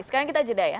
sekarang kita jeda ya